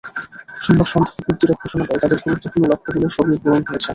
সোমবার সন্ধ্যায় কুর্দিরা ঘোষণা দেয়, তাদের গুরুত্বপূর্ণ লক্ষ্যগুলোর সবই পূরণ হয়েছে।